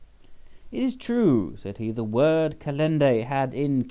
"It is true," said he, "the word Calendæ, had in Q.